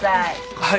はい！